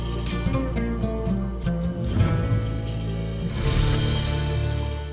berbeda dengan umat islam umumnya yang menggunakan metode rukyat dan hisap atau pengamatan bulan dan perhitungan